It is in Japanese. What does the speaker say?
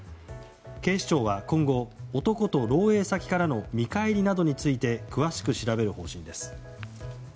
警視庁は今後、男と漏洩先からの見返りなどについて詳しく調べる方針です。